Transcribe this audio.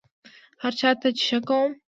هر چا ته چې ښه کوم،